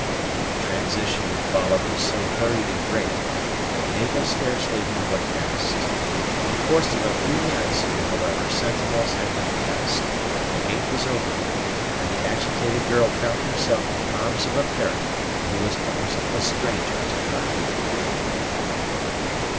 The transition that followed was so hurried and great, that Mabel scarcely knew what passed. In the course of a few minutes, however, sentinels had been passed, a gate was opened, and the agitated girl found herself in the arms of a parent who was almost a stranger to her.